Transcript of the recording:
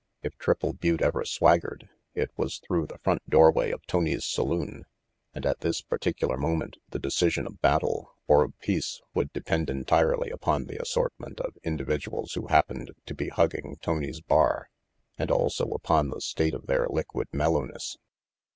If Triple Butte ever swaggered, it was through the 16 RANGY PETE front doorway of Tony's saloon, and at this particular moment the decision of battle or of peace would depend entirely upon the assortment of individuals who happened to be hugging Tony's bar, and also upon the state of their liquid mellowness.